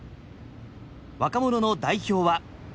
若者の代表は。